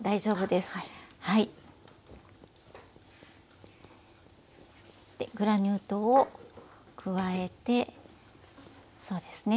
でグラニュー糖を加えてそうですね